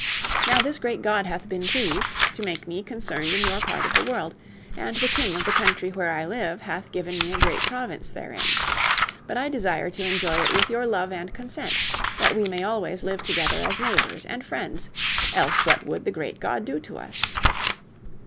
Now this great God hath been pleased to make me concerned in your part of the world, and the King of the country where I live hath given me a great province therein. But I desire to enjoy it with your love and consent, that we may always live together as neighbours, and friends, else what would the great God do to us?"